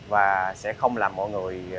và sẽ không làm mọi người